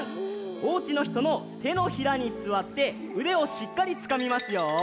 おうちのひとのてのひらにすわってうでをしっかりつかみますよ。